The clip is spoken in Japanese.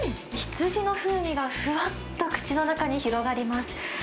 羊の風味がふわっと口の中に広がります。